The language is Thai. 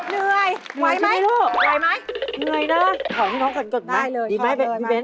ดีไหมพี่เบนดีมั้ยพี่เบนได้ยินไหมได้เลย